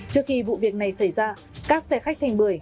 trước khi vụ việc này xảy ra các xe khách thành bưởi